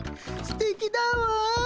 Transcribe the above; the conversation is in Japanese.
すてきだわ。